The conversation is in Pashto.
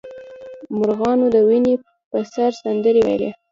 مرغانو د ونې په سر سندرې ویلې.